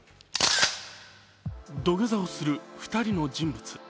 土下座をする２人の人物。